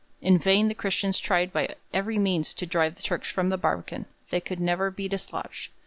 In vain the Christians tried by every means to drive the Turks from the barbican; they could never be dislodged.